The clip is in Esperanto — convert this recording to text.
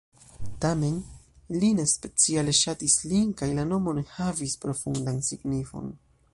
Tamen, li ne speciale ŝatis lin kaj la nomo ne havis profundan signifon.